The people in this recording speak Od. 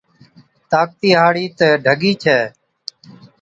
طاقتِي هاڙِي تہ ڍڳِي ڇَي،